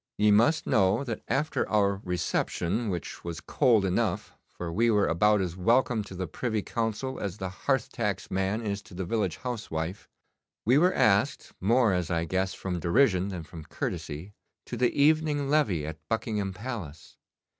Ye must know that after our reception which was cold enough, for we were about as welcome to the Privy Council as the hearth tax man is to the village housewife we were asked, more as I guess from derision than from courtesy, to the evening levee at Buckingham Palace.